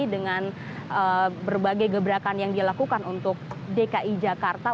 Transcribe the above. dengan berbagai gebrakan yang dilakukan untuk dki jakarta